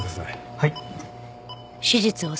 はい。